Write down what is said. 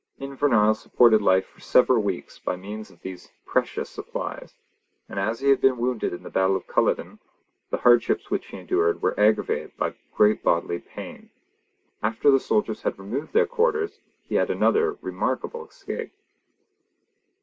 Invernahyle supported life for several weeks by means of these precarious supplies; and, as he had been wounded in the battle of Culloden, the hardships which he endured were aggravated by great bodily pain. After the soldiers had removed their quarters he had another remarkable escape.